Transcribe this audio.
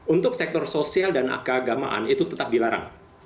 untuk sektor sosial dan keagamaan itu tetap dilarang